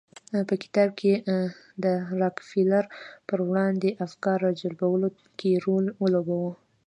په کتاب کې د راکفیلر پر وړاندې افکار راجلبولو کې رول ولوباوه.